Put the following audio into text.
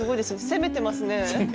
攻めてますね。